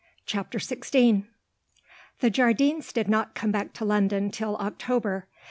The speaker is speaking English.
CHAPTER XVI The Jardines did not come back to London till October.